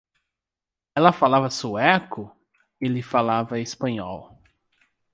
Ela falava sueco? ele falava espanhol.